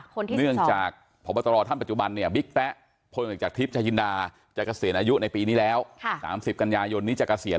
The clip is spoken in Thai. ค่ะคนที่สี่สองเพราะบัตรอธรรมจุบันเนี่ย